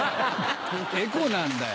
エコなんだよ。